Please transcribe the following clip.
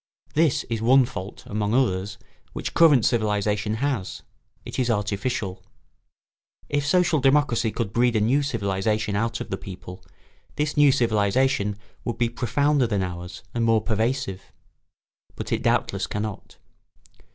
This is one fault, among others, which current civilisation has; it is artificial. If social democracy could breed a new civilisation out of the people, this new civilisation would be profounder than ours and more pervasive. But it doubtless cannot.